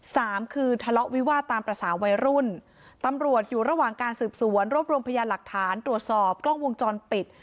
สามคือทะเลาะวิวาสตามภาษาวัยรุ่นตำรวจอยู่ระหว่างการสืบสวนรวบรวมพยานหลักฐานตรวจสอบกล้องวงจรปิด